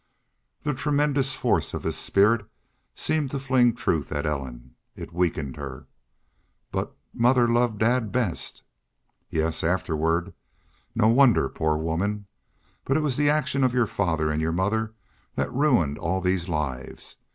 The tremendous force of his spirit seemed to fling truth at Ellen. It weakened her. "But mother loved dad best." "Yes, afterward. No wonder, poor woman! ... But it was the action of your father and your mother that ruined all these lives.